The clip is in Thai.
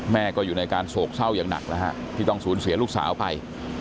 แม่ก็อยู่ในการโศกเศร้าอย่างหนักนะฮะที่ต้องสูญเสียลูกสาวไป